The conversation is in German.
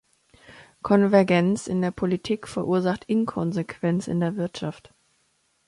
Konvergenz in der Politik verursacht Inkonsequenz in der Wirtschaft.